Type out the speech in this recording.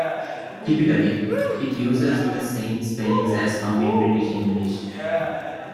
Typically, it uses the same spellings as found in British English.